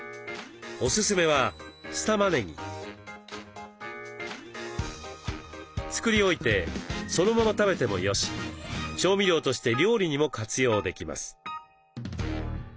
おすすめは作り置いてそのまま食べてもよし調味料として料理にも活用できます。